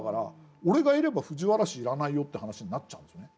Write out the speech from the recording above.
「俺がいれば藤原氏いらないよ」という話になっちゃうんですよね。